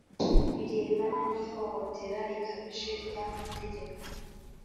birebana n'ihohotera rikabije ry'amategeko